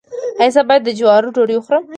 ایا زه باید د جوارو ډوډۍ وخورم؟